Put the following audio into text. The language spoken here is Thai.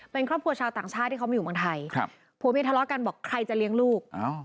เป็นครอบครัวชาวต่างชาติที่เขามาอยู่เมืองไทยครับผัวเมียทะเลาะกันบอกใครจะเลี้ยงลูก